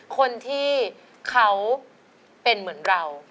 คนที่เขาเป็นเหมือนเรา